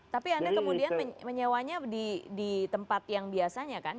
tapi anda kemudian menyewanya di tempat yang biasanya kan